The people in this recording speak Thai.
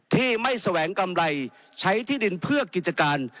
ที่ไม่แสวงกำไรใช้ที่ดินเพื่อกิจการ